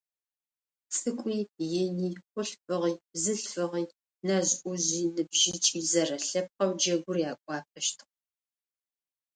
Цӏыкӏуи ини, хъулъфыгъи бзылъфыгъи, нэжъ-ӏужъи ныбжьыкӏи - зэрэлъэпкъэу джэгур якӏуапӏэщтыгъэ.